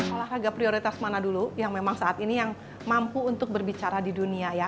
olahraga prioritas mana dulu yang memang saat ini yang mampu untuk berbicara di dunia ya